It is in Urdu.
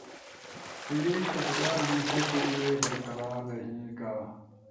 تو یہ قبضہ ہمیشہ کیلئے برقرار رہے گا؟